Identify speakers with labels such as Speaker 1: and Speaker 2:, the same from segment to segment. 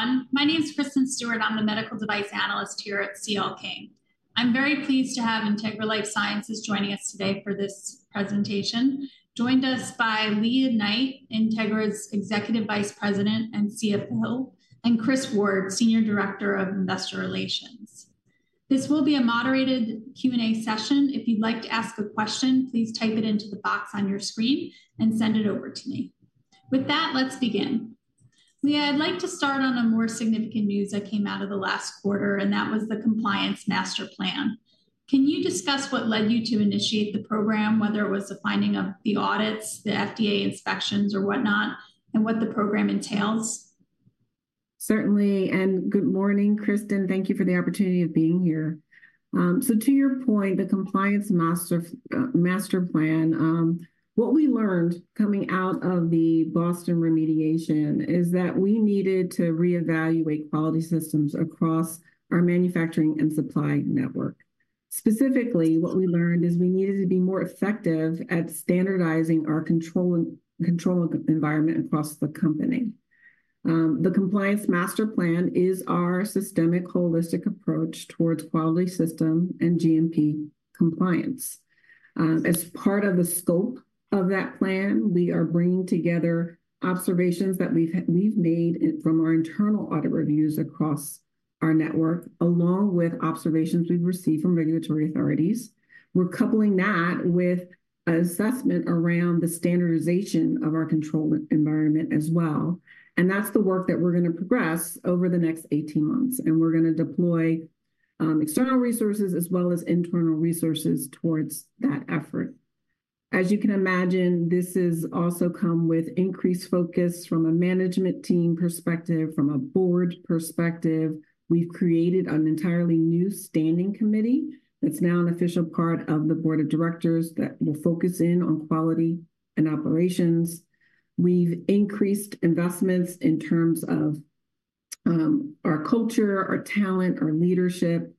Speaker 1: Hello, everyone. My name is Kristen Stewart. I'm the medical device analyst here at CL King. I'm very pleased to have Integra LifeSciences joining us today for this presentation, joined by Lea Knight, Integra's Executive Vice President and CFO, and Chris Ward, Senior Director of Investor Relations. This will be a moderated Q&A session. If you'd like to ask a question, please type it into the box on your screen and send it over to me. With that, let's begin. Lea, I'd like to start on the more significant news that came out of the last quarter, and that was the Compliance Master Plan. Can you discuss what led you to initiate the program, whether it was the finding of the audits, the FDA inspections, or whatnot, and what the program entails?
Speaker 2: Certainly, and good morning, Kristen. Thank you for the opportunity of being here. So to your point, the Compliance Master Plan, what we learned coming out of the Boston remediation is that we needed to reevaluate quality systems across our manufacturing and supply network. Specifically, what we learned is we needed to be more effective at standardizing our control environment across the company. The Compliance Master Plan is our systemic holistic approach towards quality system and GMP compliance. As part of the scope of that plan, we are bringing together observations that we've made from our internal audit reviews across our network, along with observations we've received from regulatory authorities. We're coupling that with assessment around the standardization of our control environment as well, and that's the work that we're going to progress over the next eighteen months, and we're going to deploy external resources as well as internal resources towards that effort. As you can imagine, this is also come with increased focus from a management team perspective, from a board perspective. We've created an entirely new standing committee that's now an official part of the board of directors that will focus in on quality and operations. We've increased investments in terms of our culture, our talent, our leadership.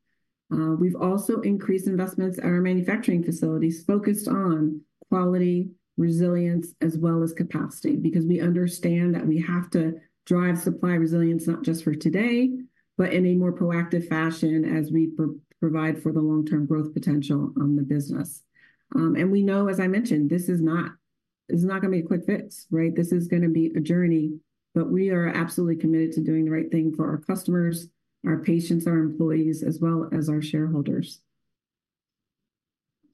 Speaker 2: We've also increased investments at our manufacturing facilities, focused on quality, resilience, as well as capacity, because we understand that we have to drive supply resilience not just for today, but in a more proactive fashion as we provide for the long-term growth potential on the business. And we know, as I mentioned, this is not going to be a quick fix, right? This is going to be a journey, but we are absolutely committed to doing the right thing for our customers, our patients, our employees, as well as our shareholders.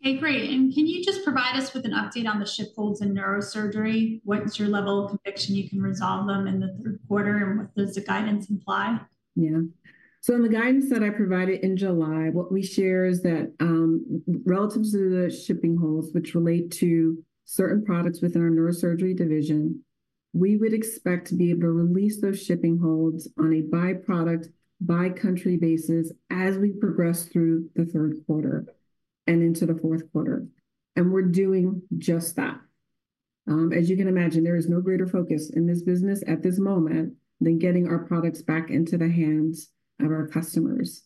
Speaker 1: Okay, great. Can you just provide us with an update on the ship holds in neurosurgery? What is your level of conviction you can resolve them in the third quarter, and what does the guidance imply?
Speaker 2: Yeah. So in the guidance that I provided in July, what we share is that, relative to the shipping holds, which relate to certain products within our neurosurgery division, we would expect to be able to release those shipping holds on a by-product, by-country basis as we progress through the third quarter and into the fourth quarter, and we're doing just that. As you can imagine, there is no greater focus in this business at this moment than getting our products back into the hands of our customers.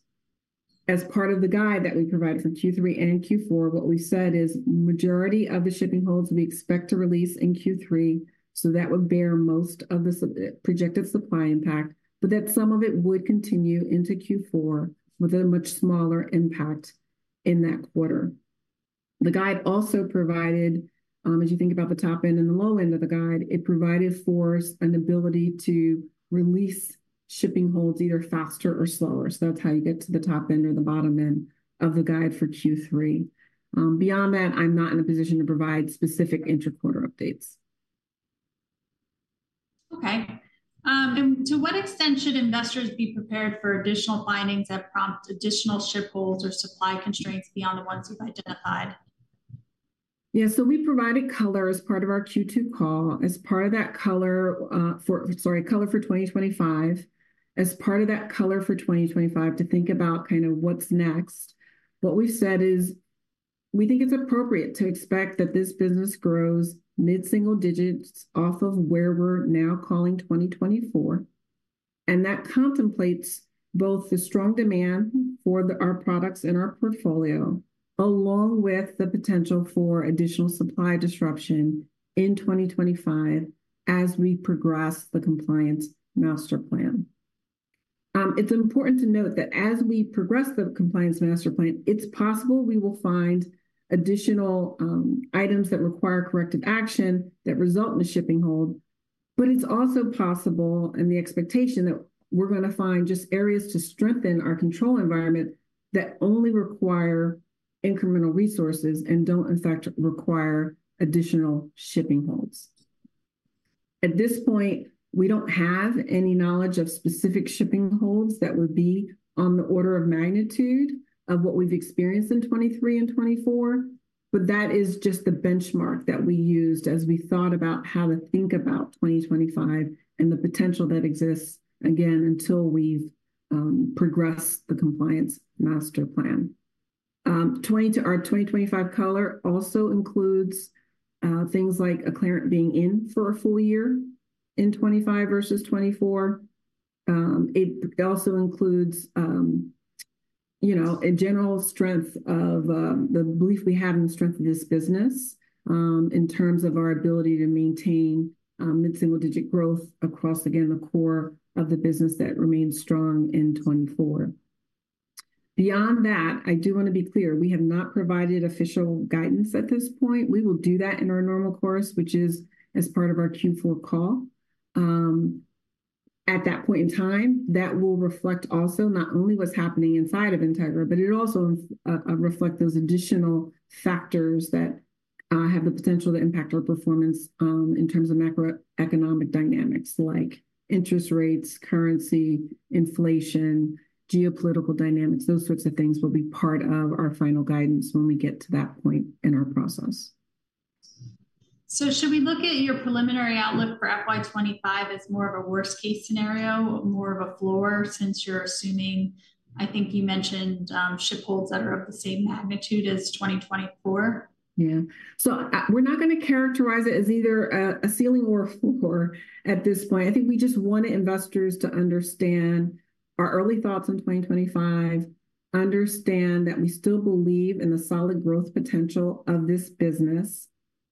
Speaker 2: As part of the guide that we provided for Q3 and Q4, what we said is majority of the shipping holds we expect to release in Q3, so that would bear most of the projected supply impact, but that some of it would continue into Q4 with a much smaller impact in that quarter. The guide also provided, as you think about the top end and the low end of the guide, it provided for us an ability to release shipping holds either faster or slower. That's how you get to the top end or the bottom end of the guide for Q3. Beyond that, I'm not in a position to provide specific inter-quarter updates.
Speaker 1: Okay. And to what extent should investors be prepared for additional findings that prompt additional ship holds or supply constraints beyond the ones you've identified?
Speaker 2: Yeah, so we provided color as part of our Q2 call. As part of that color for 2025, to think about kind of what's next, what we've said is, we think it's appropriate to expect that this business grows mid-single digits off of where we're now calling 2024, and that contemplates both the strong demand for our products and our portfolio, along with the potential for additional supply disruption in 2025 as we progress the Compliance Master Plan. It's important to note that as we progress the Compliance Master Plan, it's possible we will find additional items that require corrective action that result in a shipping hold, but it's also possible, and the expectation, that we're going to find just areas to strengthen our control environment that only require incremental resources and don't, in fact, require additional shipping holds. At this point, we don't have any knowledge of specific shipping holds that would be on the order of magnitude of what we've experienced in 2023 and 2024, but that is just the benchmark that we used as we thought about how to think about 2025 and the potential that exists, again, until we've progressed the Compliance Master Plan. Our 2025 color also includes things like Acclarent being in for a full year in 2025 versus 2024. It also includes, you know, a general strength of the belief we have in the strength of this business, in terms of our ability to maintain mid-single-digit growth across, again, the core of the business that remains strong in 2024. Beyond that, I do want to be clear, we have not provided official guidance at this point. We will do that in our normal course, which is as part of our Q4 call. At that point in time, that will reflect also not only what's happening inside of Integra, but it'll also reflect those additional factors that have the potential to impact our performance, in terms of macroeconomic dynamics, like interest rates, currency, inflation, geopolitical dynamics. Those sorts of things will be part of our final guidance when we get to that point in our process.
Speaker 1: Should we look at your preliminary outlook for FY2025 as more of a worst-case scenario, more of a floor, since you're assuming, I think you mentioned, ship holds that are of the same magnitude as 2024?
Speaker 2: Yeah. So, we're not going to characterize it as either a ceiling or a floor at this point. I think we just want investors to understand our early thoughts on 2025, understand that we still believe in the solid growth potential of this business,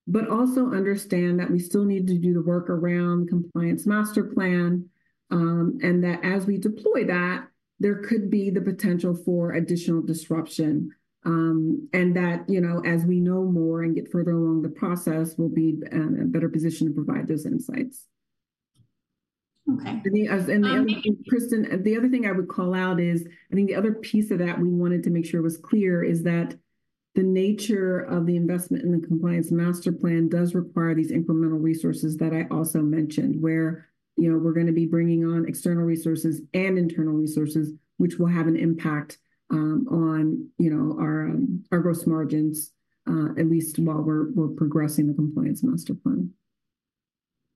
Speaker 2: but also understand that we still need to do the work around Compliance Master Plan, and that as we deploy that, there could be the potential for additional disruption. And that, you know, as we know more and get further along the process, we'll be in a better position to provide those insights.
Speaker 1: Okay.
Speaker 2: And the other, and Kristen, the other thing I would call out is, I think the other piece of that we wanted to make sure was clear is that the nature of the investment in the Compliance Master Plan does require these incremental resources that I also mentioned, where, you know, we're going to be bringing on external resources and internal resources, which will have an impact on, you know, our gross margins, at least while we're progressing the Compliance Master Plan.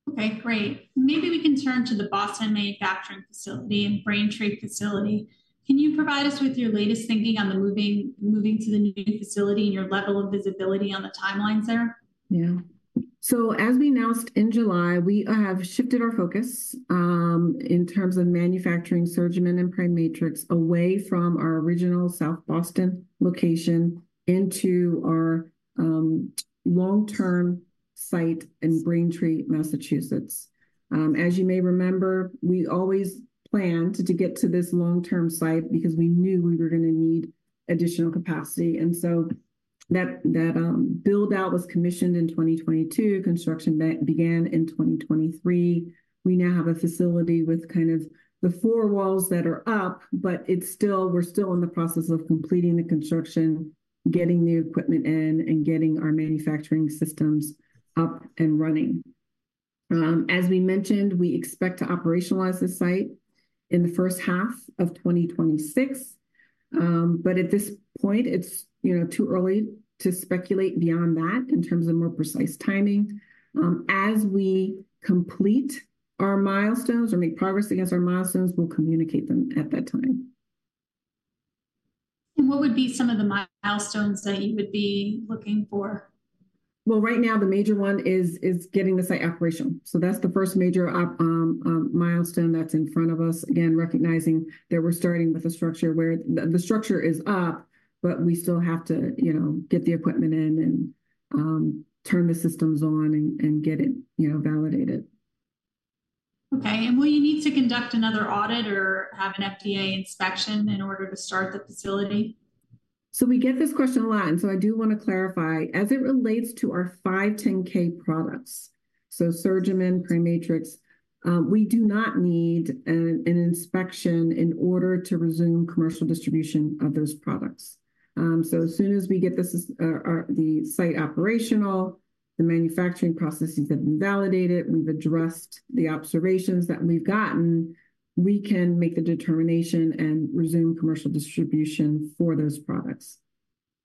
Speaker 1: Okay, great. Maybe we can turn to the Boston manufacturing facility and Braintree facility. Can you provide us with your latest thinking on the moving to the new facility and your level of visibility on the timelines there?
Speaker 2: Yeah. So as we announced in July, we have shifted our focus in terms of manufacturing SurgiMend and PriMatrix away from our original South Boston location into our long-term site in Braintree, Massachusetts. As you may remember, we always planned to get to this long-term site because we knew we were going to need additional capacity, and so that build-out was commissioned in 2022. Construction began in 2023. We now have a facility with kind of the four walls that are up, but we're still in the process of completing the construction, getting new equipment in, and getting our manufacturing systems up and running. As we mentioned, we expect to operationalize the site in the first half of 2026. But at this point, it's, you know, too early to speculate beyond that in terms of more precise timing. As we complete our milestones or make progress against our milestones, we'll communicate them at that time.
Speaker 1: What would be some of the milestones that you would be looking for?
Speaker 2: Right now, the major one is getting the site operational. So that's the first major operational milestone that's in front of us, again, recognizing that we're starting with a structure where the structure is up, but we still have to, you know, get the equipment in and turn the systems on and get it, you know, validated.
Speaker 1: Okay, and will you need to conduct another audit or have an FDA inspection in order to start the facility?
Speaker 2: We get this question a lot, and so I do want to clarify. As it relates to our 510(k) products, so SurgiMend, PriMatrix, we do not need an inspection in order to resume commercial distribution of those products. So as soon as we get the site operational, the manufacturing processes have been validated, we've addressed the observations that we've gotten, we can make the determination and resume commercial distribution for those products.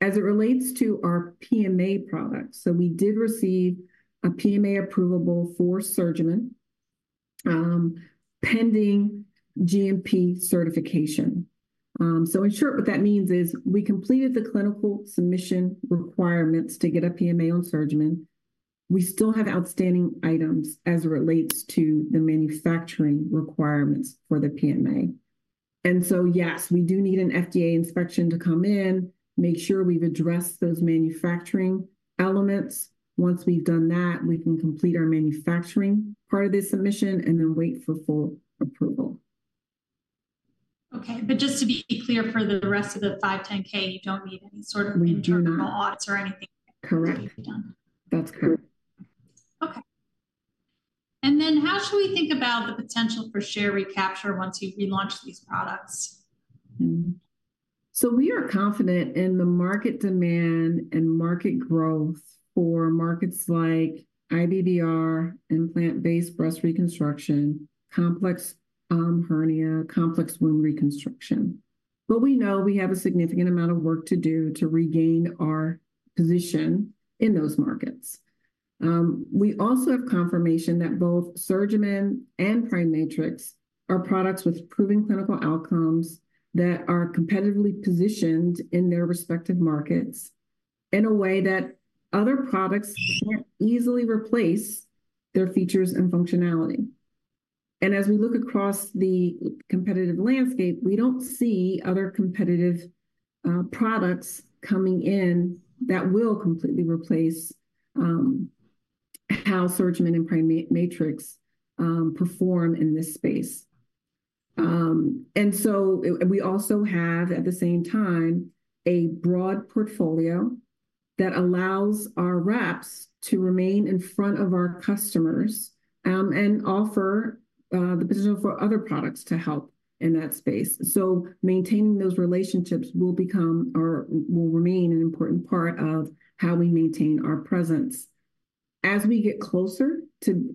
Speaker 2: As it relates to our PMA products, so we did receive a PMA approvable for SurgiMend, pending GMP certification. So in short, what that means is we completed the clinical submission requirements to get a PMA on SurgiMend. We still have outstanding items as it relates to the manufacturing requirements for the PMA. And so, yes, we do need an FDA inspection to come in, make sure we've addressed those manufacturing elements. Once we've done that, we can complete our manufacturing part of this submission and then wait for full approval.
Speaker 1: Okay, but just to be clear, for the rest of the 510(k), you don't need any sort of-
Speaker 2: We do not.
Speaker 1: Internal audits or anything?
Speaker 2: Correct.
Speaker 1: Done.
Speaker 2: That's correct.
Speaker 1: Okay, and then how should we think about the potential for share recapture once you've relaunched these products?
Speaker 2: So we are confident in the market demand and market growth for markets like IBBR, implant-based breast reconstruction, complex hernia, complex wound reconstruction. We also have confirmation that both SurgiMend and PriMatrix are products with proven clinical outcomes that are competitively positioned in their respective markets in a way that other products can't easily replace their features and functionality. And as we look across the competitive landscape, we don't see other competitive products coming in that will completely replace how SurgiMend and PriMatrix perform in this space. And so, we also have, at the same time, a broad portfolio that allows our reps to remain in front of our customers, and offer the position for other products to help in that space. So maintaining those relationships will become or will remain an important part of how we maintain our presence. As we get closer to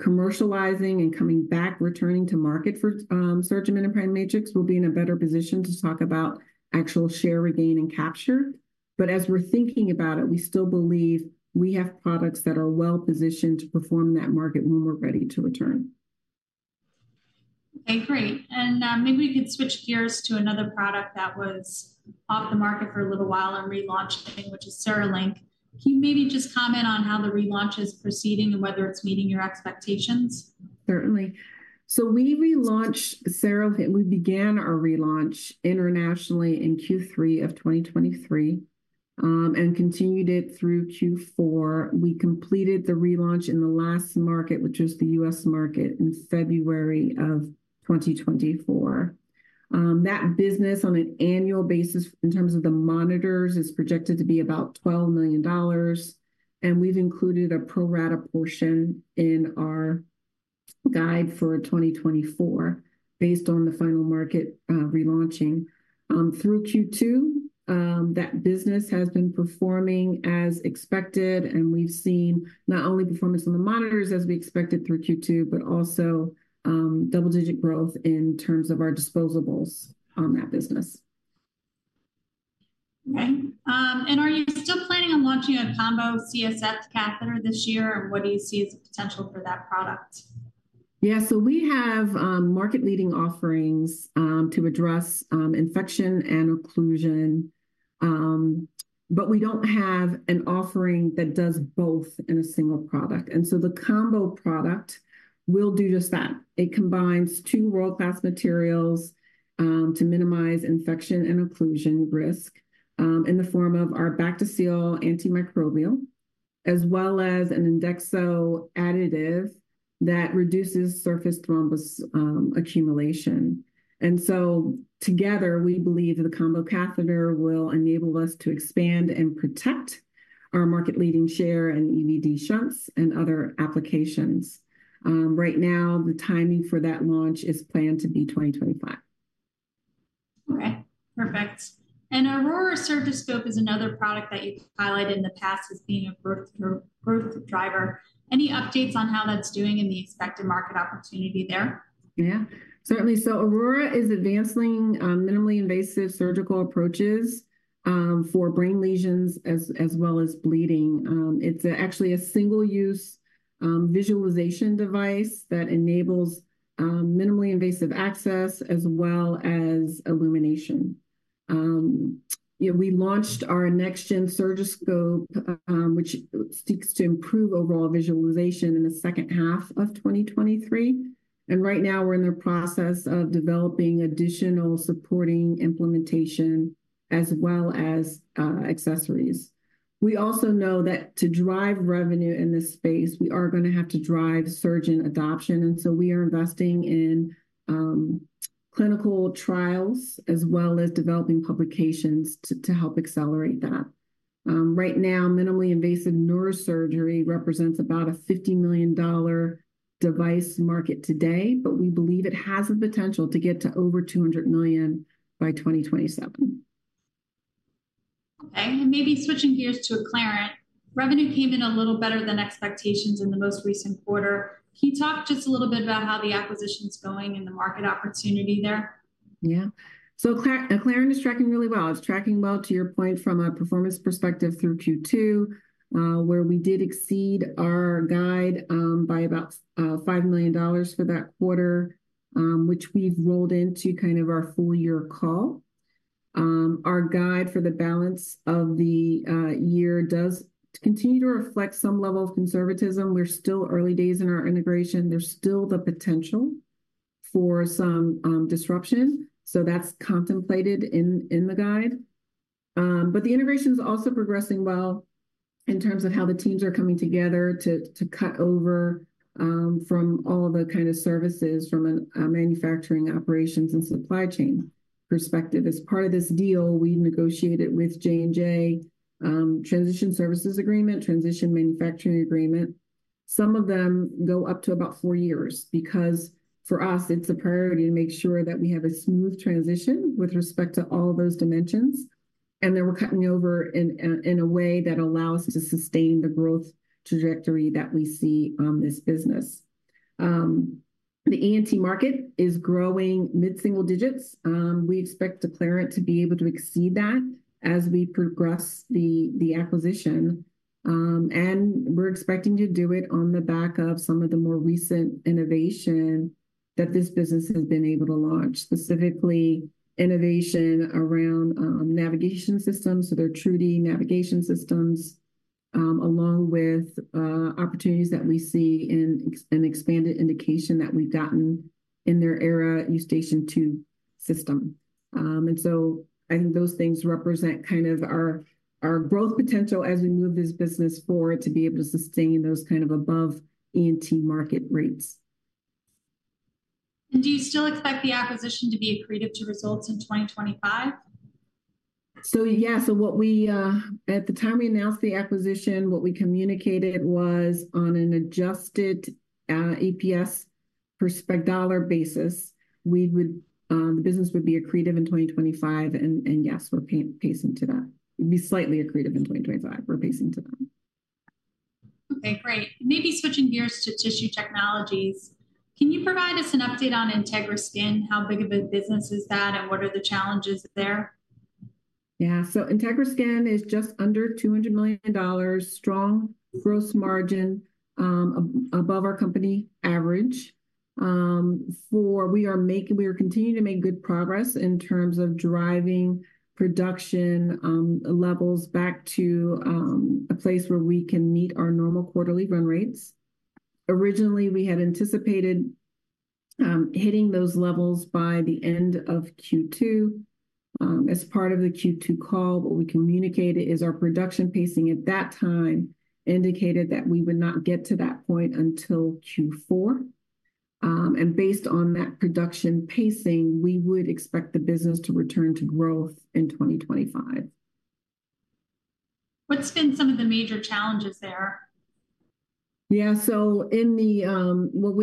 Speaker 2: commercializing and coming back, returning to market for SurgiMend and PriMatrix, we'll be in a better position to talk about actual share, regain, and capture. But as we're thinking about it, we still believe we have products that are well-positioned to perform that market when we're ready to return.
Speaker 1: Okay, great. And, maybe we could switch gears to another product that was off the market for a little while and relaunching, which is CereLink. Can you maybe just comment on how the relaunch is proceeding and whether it's meeting your expectations?
Speaker 2: Certainly. So we relaunched CereLink. We began our relaunch internationally in Q3 of 2023, and continued it through Q4. We completed the relaunch in the last market, which was the U.S market, in February of 2024. That business, on an annual basis in terms of the monitors, is projected to be about $12 million, and we've included a pro rata portion in our guide for 2024, based on the final market relaunching. Through Q2, that business has been performing as expected, and we've seen not only performance on the monitors as we expected through Q2, but also double-digit growth in terms of our disposables on that business.
Speaker 1: Okay. And are you still planning on launching a combo CSF catheter this year, and what do you see as the potential for that product?
Speaker 2: Yeah, so we have market-leading offerings to address infection and occlusion, but we don't have an offering that does both in a single product, and so the combo product will do just that. It combines two world-class materials to minimize infection and occlusion risk in the form of our Bactiseal antimicrobial, as well as an Endexo additive that reduces surface thrombus accumulation, and so together, we believe the combo catheter will enable us to expand and protect our market-leading share in EVD shunts and other applications. Right now, the timing for that launch is planned to be 2025.
Speaker 1: Okay, perfect. And Aurora Surgiscope is another product that you've highlighted in the past as being a growth driver. Any updates on how that's doing and the expected market opportunity there?
Speaker 2: Yeah, certainly so. Aurora is advancing minimally invasive surgical approaches for brain lesions, as well as bleeding. It's actually a single-use visualization device that enables minimally invasive access as well as illumination. Yeah, we launched our next-gen Surgiscope, which seeks to improve overall visualization in the second half of 2023, and right now we're in the process of developing additional supporting instrumentation as well as accessories. We also know that to drive revenue in this space, we are going to have to drive surgeon adoption, and so we are investing in clinical trials as well as developing publications to help accelerate that. Right now, minimally invasive neurosurgery represents about a $50 million device market today, but we believe it has the potential to get to over $200 million by 2027.
Speaker 1: Okay, and maybe switching gears to Acclarent. Revenue came in a little better than expectations in the most recent quarter. Can you talk just a little bit about how the acquisition's going and the market opportunity there?
Speaker 2: Yeah. So Acclarent, Acclarent is tracking really well. It's tracking well, to your point, from a performance perspective through Q2, where we did exceed our guide by about $5 million for that quarter, which we've rolled into kind of our full year call. Our guide for the balance of the year does continue to reflect some level of conservatism. We're still early days in our integration. There's still the potential for some disruption, so that's contemplated in the guide. But the integration's also progressing well in terms of how the teams are coming together to cut over from all the kind of services from a manufacturing, operations, and supply chain perspective. As part of this deal, we negotiated with J&J transition services agreement, transition manufacturing agreement. Some of them go up to about four years, because for us, it's a priority to make sure that we have a smooth transition with respect to all those dimensions, and that we're cutting over in a way that allows us to sustain the growth trajectory that we see on this business. The ENT market is growing mid-single digits. We expect Acclarent to be able to exceed that as we progress the acquisition, and we're expecting to do it on the back of some of the more recent innovation that this business has been able to launch, specifically innovation around navigation systems, so their TruDi navigation systems, along with opportunities that we see in an expanded indication that we've gotten in their Aera Eustachian tube system. And so I think those things represent kind of our growth potential as we move this business forward to be able to sustain those kind of above ENT market rates.
Speaker 1: Do you still expect the acquisition to be accretive to results in 2025?
Speaker 2: Yeah, at the time we announced the acquisition, what we communicated was on an adjusted EPS per share basis, the business would be accretive in 2025, and yes, we're pacing to that. It'd be slightly accretive in 2025. We're pacing to that.
Speaker 1: Okay, great. Maybe switching gears to tissue technologies, can you provide us an update on Integra Skin? How big of a business is that, and what are the challenges there?
Speaker 2: Yeah. So Integra Skin is just under $200 million, strong gross margin, above our company average. We are continuing to make good progress in terms of driving production levels back to a place where we can meet our normal quarterly run rates. Originally, we had anticipated hitting those levels by the end of Q2. As part of the Q2 call, what we communicated is our production pacing at that time indicated that we would not get to that point until Q4. And based on that production pacing, we would expect the business to return to growth in 2025.
Speaker 1: What's been some of the major challenges there?
Speaker 2: Yeah, so in the, well,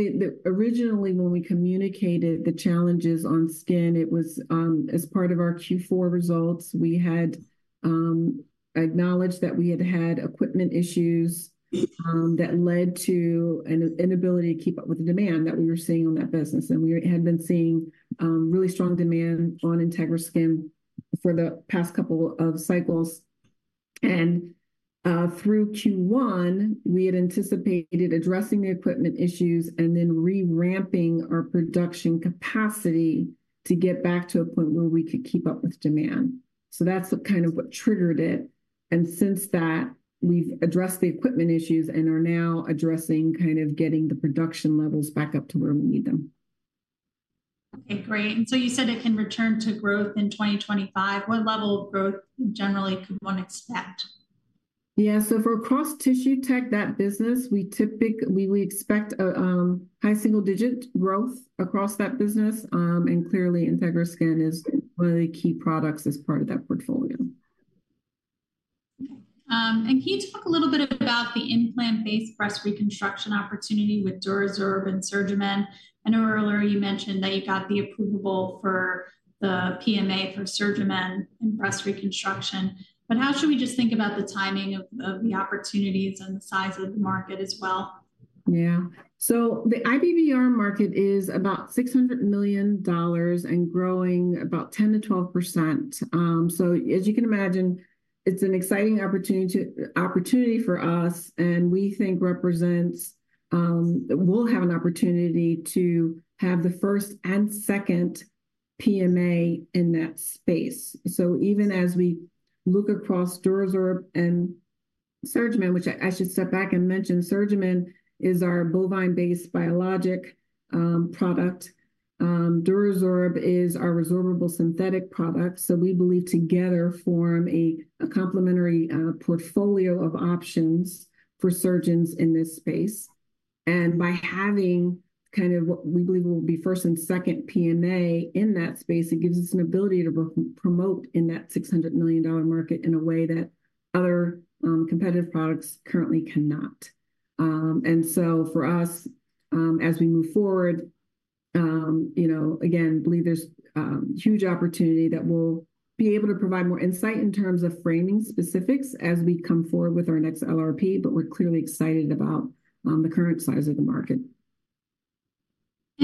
Speaker 2: originally, when we communicated the challenges on Skin, it was, as part of our Q4 results. We had acknowledged that we had had equipment issues, that led to an inability to keep up with the demand that we were seeing on that business, and we had been seeing really strong demand on Integra Skin for the past couple of cycles. And, through Q1, we had anticipated addressing the equipment issues and then re-ramping our production capacity to get back to a point where we could keep up with demand. So that's kind of what triggered it. And since that, we've addressed the equipment issues and are now addressing kind of getting the production levels back up to where we need them.
Speaker 1: Okay, great. And so you said it can return to growth in 2025. What level of growth generally could one expect?
Speaker 2: Yeah, so for across tissue tech, that business, we expect a high single-digit growth across that business, and clearly, Integra Skin is one of the key products as part of that portfolio.
Speaker 1: And can you talk a little bit about the implant-based breast reconstruction opportunity with DuraSorb and SurgiMend? I know earlier you mentioned that you got the approvable for the PMA for SurgiMend in breast reconstruction, but how should we just think about the timing of the opportunities and the size of the market as well?
Speaker 2: Yeah. So the IBBR market is about $600 million and growing about 10%-12%. So as you can imagine, it's an exciting opportunity to opportunity for us, and we think represents we'll have an opportunity to have the first and second PMA in that space. So even as we look across DuraSorb and SurgiMend, which I should step back and mention, SurgiMend is our bovine-based biologic product. DuraSorb is our resorbable synthetic product. So we believe together form a complementary portfolio of options for surgeons in this space. And by having kind of what we believe will be first and second PMA in that space, it gives us an ability to promote in that $600 million market in a way that other competitive products currently cannot. And so for us, as we move forward, you know, again, believe there's huge opportunity that we'll be able to provide more insight in terms of framing specifics as we come forward with our next LRP, but we're clearly excited about the current size of the market.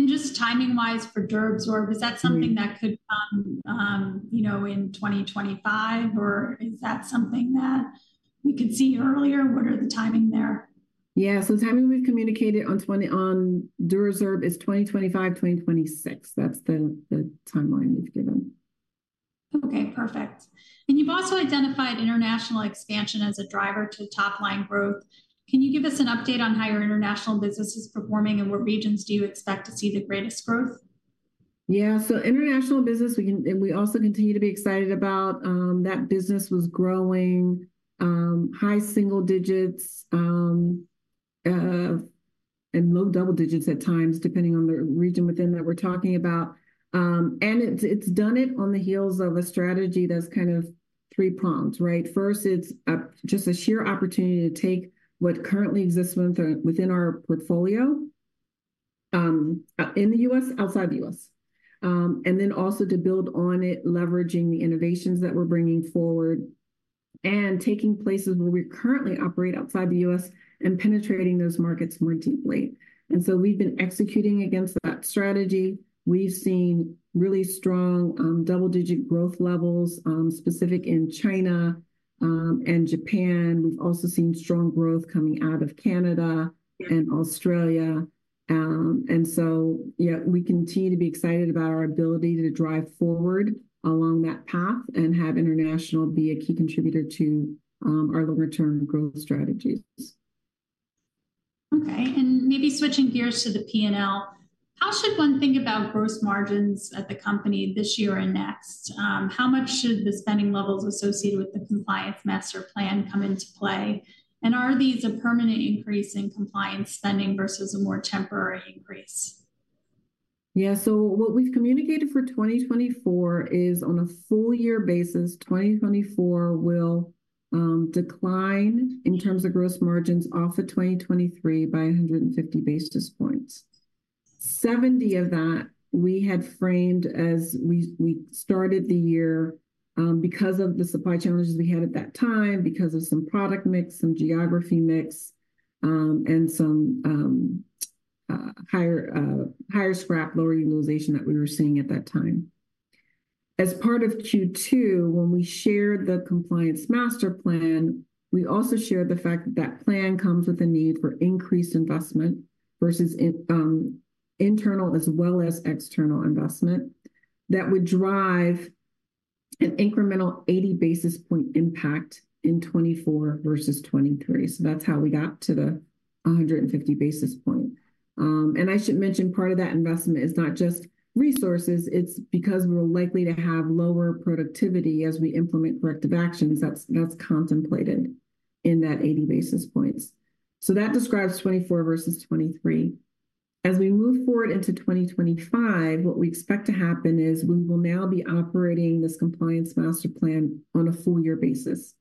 Speaker 1: Just timing-wise for DuraSorb, is that something that could come, you know, in 2025, or is that something that we could see earlier? What are the timing there?
Speaker 2: Yeah. So, the timing we've communicated on DuraSorb is 2025, 2026. That's the timeline we've given.
Speaker 1: Okay, perfect. And you've also identified international expansion as a driver to top-line growth. Can you give us an update on how your international business is performing, and what regions do you expect to see the greatest growth?
Speaker 2: Yeah. So international business, and we also continue to be excited about that business was growing, high single digits, and low double digits at times, depending on the region within that we're talking about. And it's done it on the heels of a strategy that's kind of three-pronged, right? First, it's just a sheer opportunity to take what currently exists within our portfolio in the U.S., outside the U.S. And then also to build on it, leveraging the innovations that we're bringing forward, and taking places where we currently operate outside the U.S. and penetrating those markets more deeply. And so we've been executing against that strategy. We've seen really strong double-digit growth levels specific in China and Japan. We've also seen strong growth coming out of Canada and Australia. And so, yeah, we continue to be excited about our ability to drive forward along that path and have international be a key contributor to our long-term growth strategies.
Speaker 1: Okay, and maybe switching gears to the P&L, how should one think about gross margins at the company this year and next? How much should the spending levels associated with the Compliance Master Plan come into play? And are these a permanent increase in compliance spending versus a more temporary increase?
Speaker 2: Yeah, so what we've communicated for 2024 is on a full year basis, 2024 will decline in terms of gross margins off of 2023 by 150 basis points. Seventy of that we had framed as we started the year because of the supply challenges we had at that time, because of some product mix, some geography mix, and some higher scrap, lower utilization that we were seeing at that time. As part of Q2, when we shared the Compliance Master Plan, we also shared the fact that that plan comes with a need for increased investment in internal as well as external investment, that would drive an incremental 80 basis point impact in 2024 versus 2023. That's how we got to the 150 basis point. And I should mention, part of that investment is not just resources, it's because we're likely to have lower productivity as we implement corrective actions. That's contemplated in that eighty basis points. So that describes 2024 versus 2023. As we move forward into 2025, what we expect to happen is we will now be operating this Compliance Master Plan on a full year basis.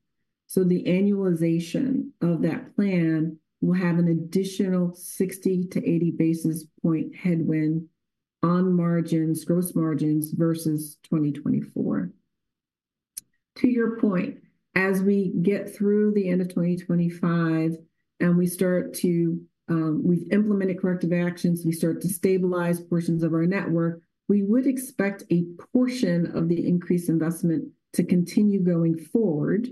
Speaker 2: So the annualization of that plan will have an additional 60-80 basis point headwind on margins, gross margins versus 2024. To your point, as we get through the end of 2025 and we've implemented corrective actions, we start to stabilize portions of our network, we would expect a portion of the increased investment to continue going forward.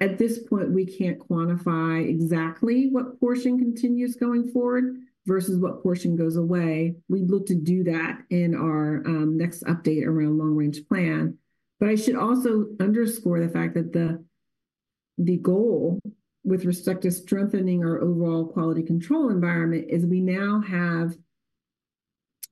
Speaker 2: At this point, we can't quantify exactly what portion continues going forward versus what portion goes away. We look to do that in our next update around long-range plan, but I should also underscore the fact that the goal with respect to strengthening our overall quality control environment is we now have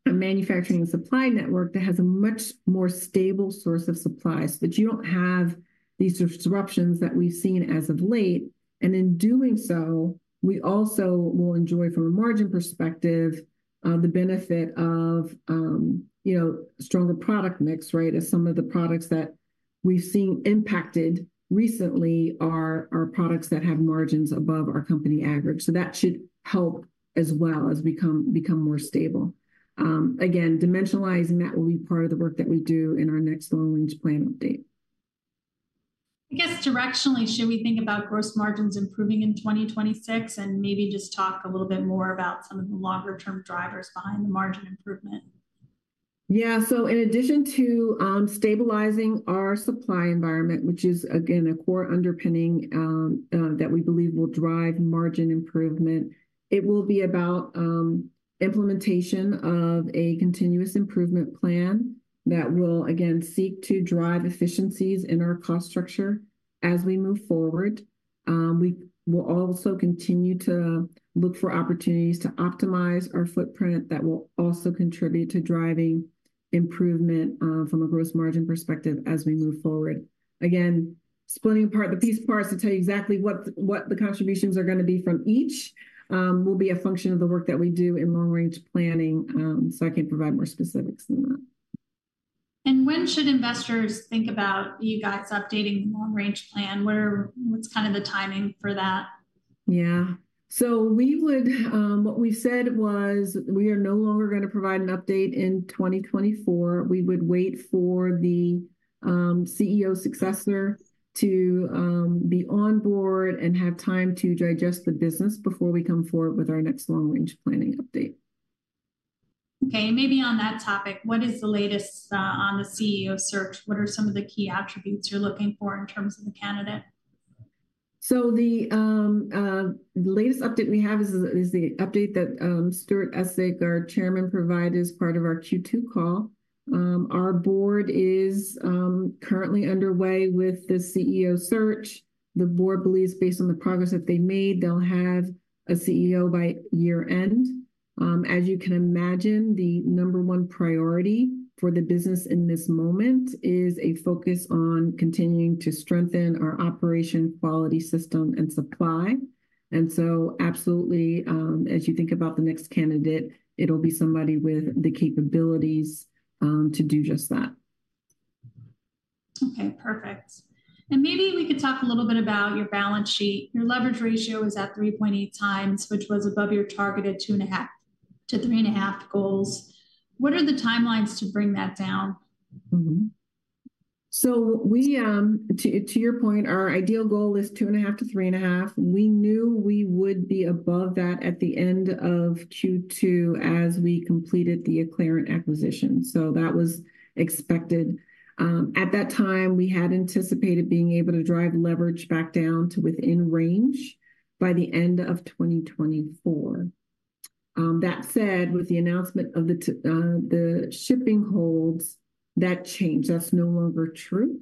Speaker 2: a manufacturing supply network that has a much more stable source of supply, so that you don't have these disruptions that we've seen as of late, and in doing so, we also will enjoy, from a margin perspective, the benefit of, you know, stronger product mix, right, as some of the products that we've seen impacted recently are products that have margins above our company average, so that should help as well as become more stable. Again, dimensionalizing that will be part of the work that we do in our next long-range plan update.
Speaker 1: I guess directionally, should we think about gross margins improving in 2026? And maybe just talk a little bit more about some of the longer term drivers behind the margin improvement.
Speaker 2: Yeah. So in addition to stabilizing our supply environment, which is again a core underpinning that we believe will drive margin improvement, it will be about implementation of a continuous improvement plan that will again seek to drive efficiencies in our cost structure as we move forward. We will also continue to look for opportunities to optimize our footprint that will also contribute to driving improvement from a gross margin perspective as we move forward. Again, splitting apart the piece parts to tell you exactly what the contributions are gonna be from each will be a function of the work that we do in long-range planning, so I can provide more specifics on that.
Speaker 1: When should investors think about you guys updating the long-range plan? What's kind of the timing for that?
Speaker 2: Yeah. So we would, what we said was, we are no longer gonna provide an update in 2024. We would wait for the CEO successor to be on board and have time to digest the business before we come forward with our next long-range planning update.
Speaker 1: Okay, and maybe on that topic, what is the latest on the CEO search? What are some of the key attributes you're looking for in terms of the candidate?
Speaker 2: The latest update we have is the update that Stuart Essig, our chairman, provided as part of our Q2 call. Our board is currently underway with the CEO search. The board believes, based on the progress that they made, they'll have a CEO by year-end. As you can imagine, the number one priority for the business in this moment is a focus on continuing to strengthen our operation, quality, system, and supply. Absolutely, as you think about the next candidate, it'll be somebody with the capabilities to do just that.
Speaker 1: Okay, perfect. Maybe we could talk a little bit about your balance sheet. Your leverage ratio is at 3.8x, which was above your targeted 2.5-3.5 goals. What are the timelines to bring that down?
Speaker 2: So we, to your point, our ideal goal is 2.5-3.5. We knew we would be above that at the end of Q2 as we completed the Acclarent acquisition, so that was expected. At that time, we had anticipated being able to drive leverage back down to within range by the end of 2024. That said, with the announcement of the shipping holds, that changed. That's no longer true.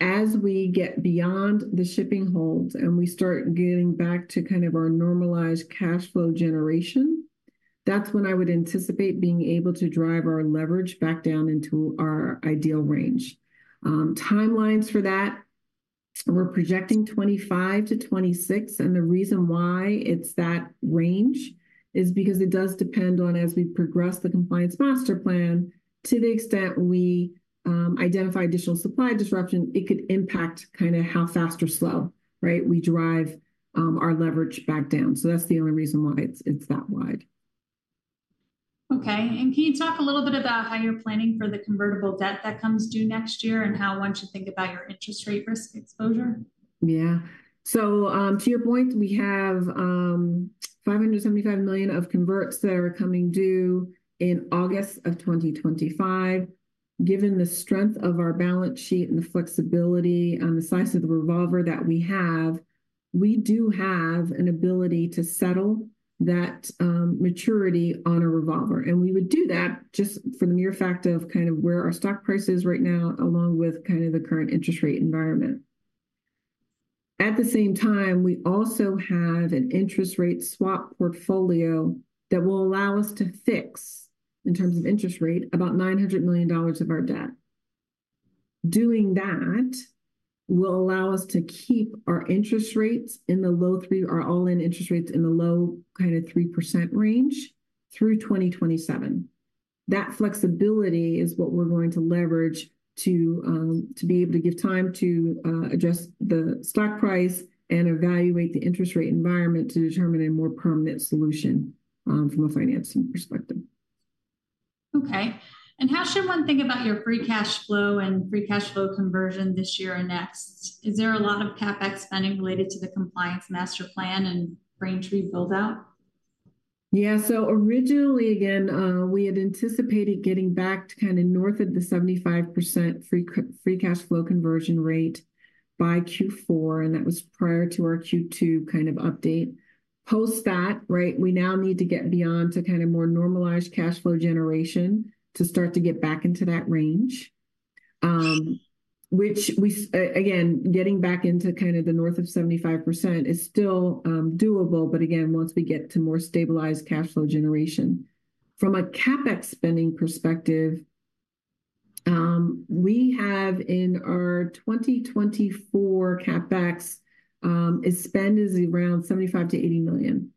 Speaker 2: As we get beyond the shipping holds and we start getting back to kind of our normalized cash flow generation, that's when I would anticipate being able to drive our leverage back down into our ideal range. Timelines for that, we're projecting 2025-2026, and the reason why it's that range is because it does depend on as we progress the Compliance Master Plan, to the extent we identify additional supply disruption, it could impact kind of how fast or slow, right? We drive our leverage back down. So that's the only reason why it's that wide.
Speaker 1: Okay, and can you talk a little bit about how you're planning for the convertible debt that comes due next year, and how one should think about your interest rate risk exposure?
Speaker 2: Yeah. So, to your point, we have $575 million of converts that are coming due in August of 2025. Given the strength of our balance sheet and the flexibility and the size of the revolver that we have, we do have an ability to settle that maturity on a revolver, and we would do that just for the mere fact of kind of where our stock price is right now, along with kind of the current interest rate environment. At the same time, we also have an interest rate swap portfolio that will allow us to fix, in terms of interest rate, about $900 million of our debt. Doing that will allow us to keep our interest rates in the low three- our all-in interest rates in the low kind of 3% range through 2027. That flexibility is what we're going to leverage to be able to give time to adjust the stock price and evaluate the interest rate environment to determine a more permanent solution from a financing perspective.
Speaker 1: Okay, and how should one think about your free cash flow and free cash flow conversion this year and next? Is there a lot of CapEx spending related to the Compliance Master Plan and Braintree build-out?
Speaker 2: Yeah, so originally, again, we had anticipated getting back to kind of north of the 75% free cash flow conversion rate by Q4, and that was prior to our Q2 kind of update. Post that, right, we now need to get beyond to kind of more normalized cash flow generation to start to get back into that range. Which we again, getting back into kind of the north of 75% is still doable, but again, once we get to more stabilized cash flow generation. From a CapEx spending perspective, we have in our 2024 CapEx spend is around $75 million-$80 million.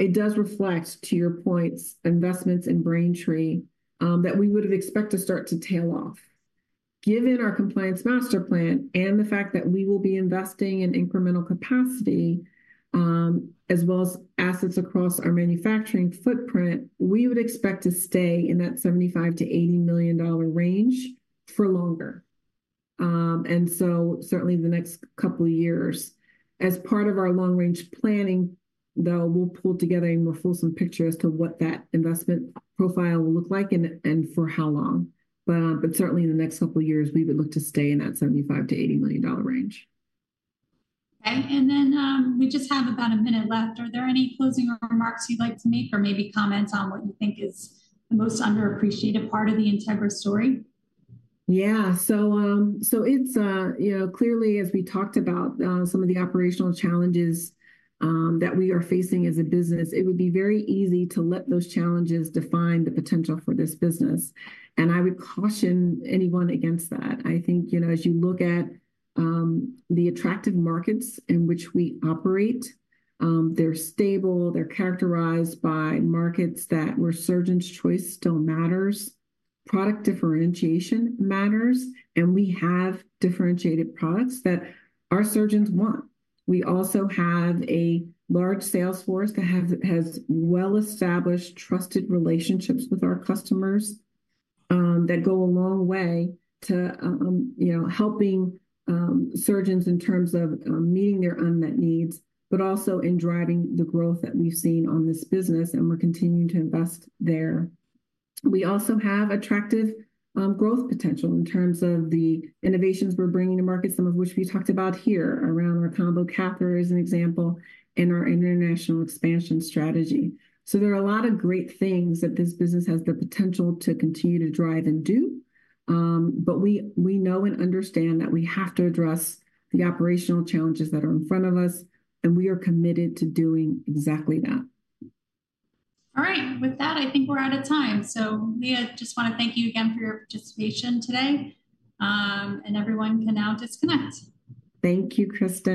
Speaker 2: It does reflect, to your points, investments in Braintree, that we would have expected to start to tail off. Given our Compliance Master Plan and the fact that we will be investing in incremental capacity, as well as assets across our manufacturing footprint, we would expect to stay in that $75 million-$80 million range for longer, and so certainly in the next couple of years. As part of our long-range planning, though, we'll pull together a more fulsome picture as to what that investment profile will look like and for how long. Certainly in the next couple of years, we would look to stay in that $75 million-$80 million range.
Speaker 1: Okay, and then, we just have about a minute left. Are there any closing remarks you'd like to make, or maybe comments on what you think is the most underappreciated part of the Integra story?
Speaker 2: Yeah. So it's, you know, clearly, as we talked about, some of the operational challenges that we are facing as a business. It would be very easy to let those challenges define the potential for this business, and I would caution anyone against that. I think, you know, as you look at the attractive markets in which we operate, they're stable. They're characterized by markets where surgeons' choice still matters, product differentiation matters, and we have differentiated products that our surgeons want. We also have a large sales force that has well-established, trusted relationships with our customers that go a long way to, you know, helping surgeons in terms of meeting their unmet needs, but also in driving the growth that we've seen on this business, and we're continuing to invest there. We also have attractive growth potential in terms of the innovations we're bringing to market, some of which we talked about here, around our combo catheter, as an example, and our international expansion strategy. So there are a lot of great things that this business has the potential to continue to drive and do, but we know and understand that we have to address the operational challenges that are in front of us, and we are committed to doing exactly that.
Speaker 1: All right. With that, I think we're out of time. So Lea, I just want to thank you again for your participation today, and everyone can now disconnect.
Speaker 2: Thank you, Kristen.